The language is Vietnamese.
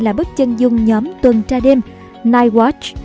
là bức chân dung nhóm tuần tra đêm the night watch